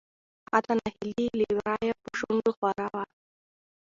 حتا نهيلي له ورايه په شنډو خوره وه .